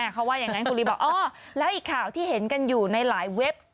เขาว่าอย่างนั้นคุณลีบอกอ๋อแล้วอีกข่าวที่เห็นกันอยู่ในหลายเว็บ